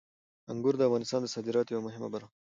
انګور د افغانستان د صادراتو یوه مهمه برخه ده.